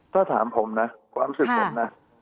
ถ้าถามผมความสิทธิ์หมดนะ